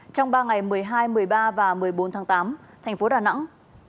trong ba ngày một mươi hai một mươi ba và một mươi bốn tháng tám thành phố đà nẵng